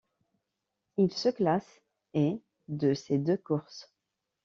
Il se classe et de ces deux courses.